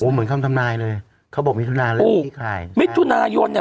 โอ้เหมือนคำทำนายเลยเขาบอกมิธุนายนมิธุนายนเนี่ย